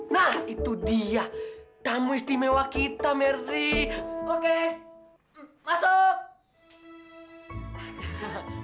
nah itu dia tamu istimewa kita mercy oke masuk